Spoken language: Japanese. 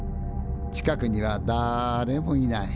近くにはだれもいない。